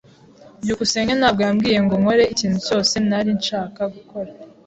byukusenge ntabwo yambwiye ngo nkore ikintu cyose ntari nshaka gukora.